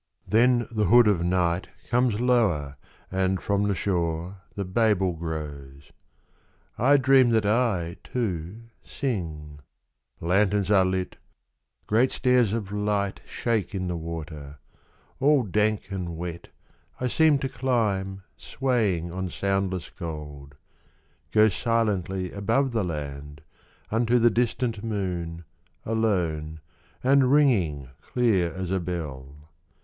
33 Tahiti. Then the hood of night comes lower, and from the shore, The Babel grows. — I dream that I too, sing — Lanterns are lit, — great stairs of light Shake in the water ; All dank and wet I seem to climb, Swaying on soundless gold — go silently Above the land, unto the distant moon, Alone, and ringing clear as a bell.